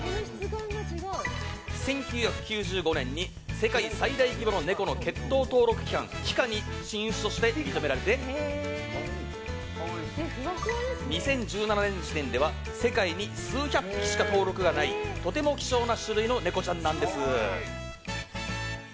１９９５年に世界最大規模のネコの血統登録機関ＴＩＣＡに新種として認められて２０１７年時点では世界に数百しか登録がないとても希少な種類のネコちゃんなんです。